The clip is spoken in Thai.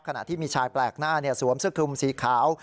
ขณะที่มีชายแปลกหน้าสวมเสื้อคลุมสีขาว